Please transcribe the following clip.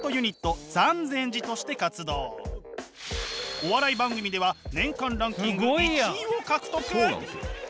お笑い番組では年間ランキング１位を獲得。